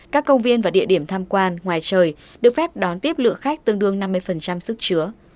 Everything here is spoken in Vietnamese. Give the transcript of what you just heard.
các công viên và địa điểm tham quan ngoài trời được phép đón tiếp lượng khách tương đương năm mươi sức chứa